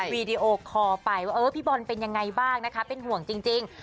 วีดีโอคอลไปว่าเออพี่บอลเป็นยังไงบ้างนะคะเป็นห่วงจริง